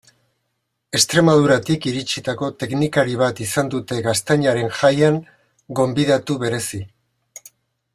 Extremaduratik iritsitako teknikari bat izan dute Gaztainaren Jaian gonbidatu berezi.